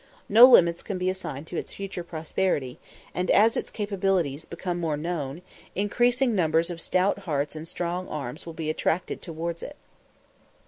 No limits can be assigned to its future prosperity, and, as its capabilities become more known, increasing numbers of stout hearts and strong arms will be attracted towards it.